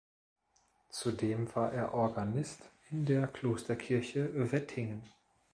Zudem war er Organist in der Klosterkirche Wettingen.